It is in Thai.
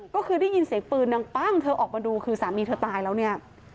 ก็คือได้ยินเสียงปืนดังปั้งเธอออกมาดูคือสามีเธอตายแล้วเนี่ย